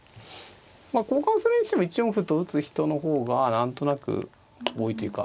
まあ交換するにしても１四歩と打つ人の方が何となく多いというか。